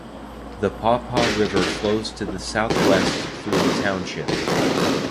The Paw Paw River flows to the southwest through the township.